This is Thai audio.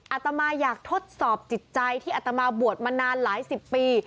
อาตมาอยากทดสอบจิตใจที่อัตมาบวชมานานหลายสิบปี